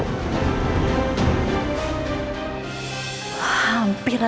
bebas sih ya